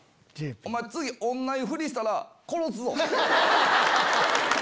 お前次同じふりしたら殺すぞ。